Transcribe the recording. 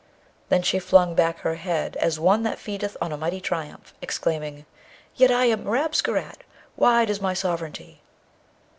Then she flung back her head as one that feedeth on a mighty triumph, exclaiming, 'Yet am I Rabesqurat! wide is my sovereignty.'